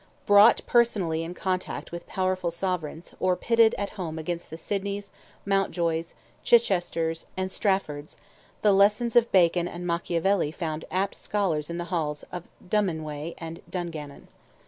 Brought personally in contact with powerful Sovereigns, or pitted at home against the Sydneys, Mountjoys, Chichesters, and Straffords, the lessons of Bacon and Machiavelli found apt scholars in the halls of Dunmanway and Dungannon.